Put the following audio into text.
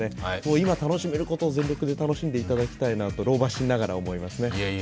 今、楽しめることを全力で楽しんでいただきたいなと老婆心ながら思いますね。